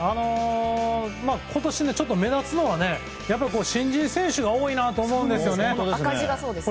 今年、ちょっと目立つのは新人選手が多いなと思うんですよね。